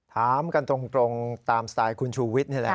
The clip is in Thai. ถามกันตรงตามสไตล์คุณชูวิทย์นี่แหละ